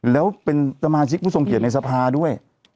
แล้วเป็นสมาชิกผู้ทรงเกียจในสภาด้วย